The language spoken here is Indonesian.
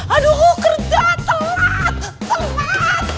aduh kerja selat selat